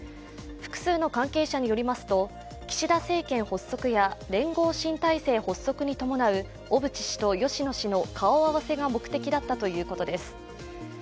複数の関係者によりますと、岸田政権発足や連合新体制発足による小渕氏と芳野氏の顔合わせが目的だったということです。